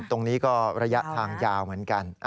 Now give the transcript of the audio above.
ตรงนี้ก็ระยะทางยาวเหมือนกัน